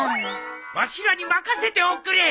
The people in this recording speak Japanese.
わしらに任せておくれ！